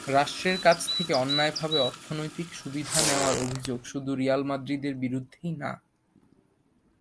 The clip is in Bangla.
রাষ্ট্রের কাছ থেকে অন্যায়ভাবে অর্থনৈতিক সুবিধা নেওয়ার অভিযোগ শুধু রিয়াল মাদ্রিদের বিরুদ্ধেই না।